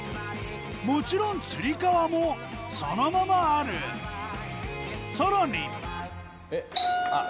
もちろんつり革もそのままあるさらに